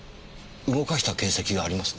動かした形跡がありますね。